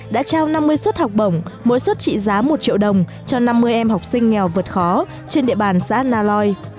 đã trao năm mươi suất học bổng mỗi suất trị giá một triệu đồng cho năm mươi em học sinh nghèo vượt khó trên địa bàn xã na loi